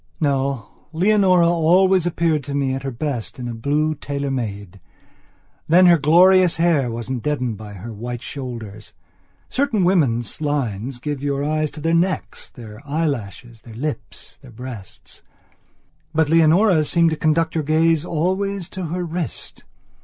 No, Leonora always appeared to me at her best in a blue tailor made. Then her glorious hair wasn't deadened by her white shoulders. Certain women's lines guide your eyes to their necks, their eyelashes, their lips, their breasts. But Leonora's seemed to conduct your gaze always to her wrist.